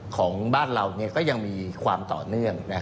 ของบ้านเราก็ยังมีความต่อเนื่อง